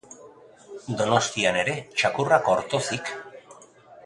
Donostian ere txakurrak ortozik.